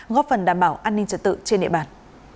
góp phần đảm bảo an ninh trật tự trên địa bàn